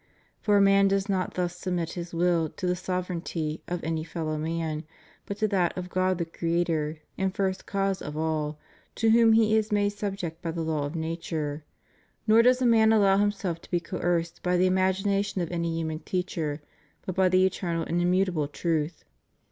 For a man does not thus submit his will to the sov ereignty of any fellow man, but to that of God the Creator and First Cause of all, to whom he is made subject by the law of nature; nor does a man allow himself to be coerced by the imagination of any human teacher, but by the eternal and immutable truth.